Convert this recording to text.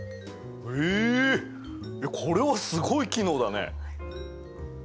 これはすごい機能だね。